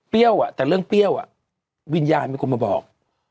เปรี้ยวอ่ะแต่เรื่องเปรี้ยวอ่ะวิญญาณไม่ควรมาบอก